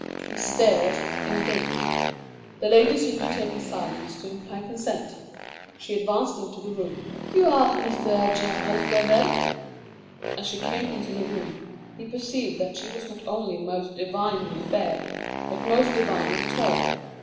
He stared and gaped. The lady seemed to take his silence to imply consent. She advanced into the room. "You are Mr. Gerald Lovell?" As she came into the room, he perceived that she was not only most divinely fair, but most divinely tall.